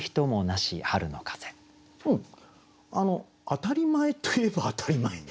当たり前といえば当たり前。